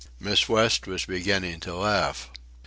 Miss West was beginning to laugh.